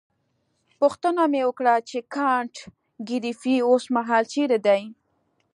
پوښتنه مې وکړه چې کانت ګریفي اوسمهال چیرې دی.